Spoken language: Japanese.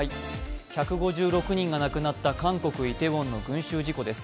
１５６人がなくなった韓国イテウォンの群集事故です。